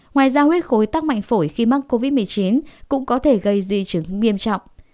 ngoài ra huyết khối tắc mạnh phổi khi mắc covid một mươi chín cũng có thể gây di chứng nghiêm trọng